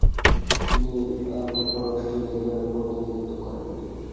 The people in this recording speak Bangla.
তিনি আর কখনও অস্ট্রেলিয়া দলের প্রতিনিধিত্ব করেননি।